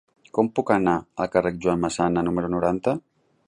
Com puc anar al carrer de Joan Massana número noranta?